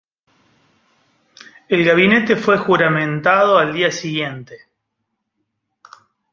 El gabinete fue juramentado al día siguiente.